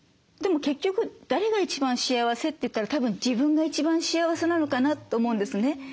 でも結局誰が一番幸せって言ったらたぶん自分が一番幸せなのかなと思うんですね。